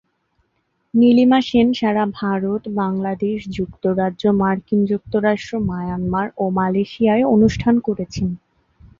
নীলিমা সেন সারা ভারত, বাংলাদেশ, যুক্তরাজ্য, মার্কিন যুক্তরাষ্ট্র, মায়ানমার ও মালয়েশিয়ায় অনুষ্ঠান করেছেন।